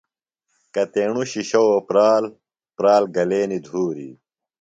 کتِیݨوۡ شِشوؤ پرال، پرال گلینیۡ دُھوری